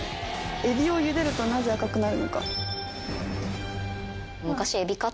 「エビをゆでるとなぜ赤くなるのか」。